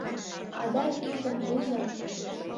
Адак иктым пуыза!